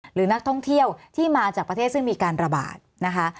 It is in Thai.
หรือนักท่องเที่ยวที่มาจากประเทศซึ่งมีการระบาดนะคะ